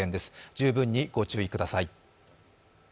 十分にご注意ください。